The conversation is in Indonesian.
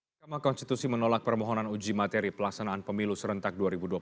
mahkamah konstitusi menolak permohonan uji materi pelaksanaan pemilu serentak dua ribu dua puluh